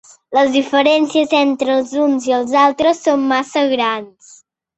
Les diferències entre els uns i els altres són massa grans.